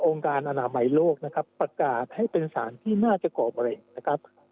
การอนามัยโลกนะครับประกาศให้เป็นสารที่น่าจะก่อมะเร็งนะครับ